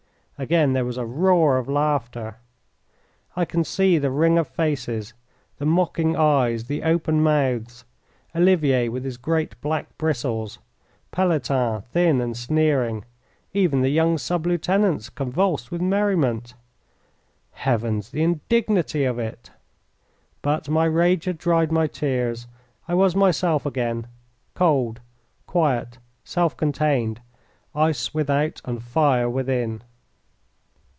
Again there was a roar of laughter. I can see the ring of faces, the mocking eyes, the open mouths Olivier with his great black bristles, Pelletan thin and sneering, even the young sub lieutenants convulsed with merriment. Heavens, the indignity of it! But my rage had dried my tears. I was myself again, cold, quiet, self contained, ice without and fire within.